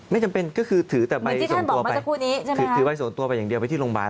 ไม่จำเป็นก็คือถือแต่ใบส่งตัวไปถือใบส่วนตัวไปอย่างเดียวไปที่โรงพยาบาล